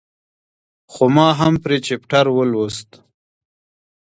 خو ما هم پرې چپټر ولوست.